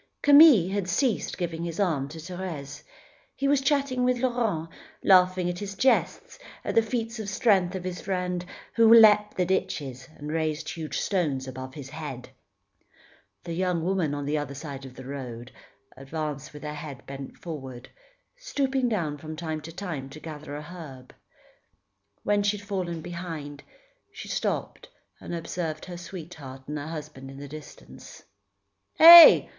Camille had ceased giving his arm to Thérèse. He was chatting with Laurent, laughing at the jests, at the feats of strength of his friend, who leapt the ditches and raised huge stones above his head. The young woman, on the other side of the road, advanced with her head bent forward, stooping down from time to time to gather an herb. When she had fallen behind, she stopped and observed her sweetheart and husband in the distance. "Heh!